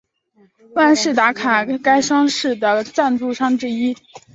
万事达卡是该赛事的赞助商之一。